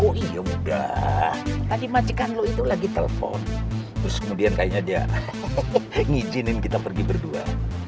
oh iya udah tadi majikan lu itu lagi telepon terus kemudian kayaknya dia ngizinin kita pergi berdua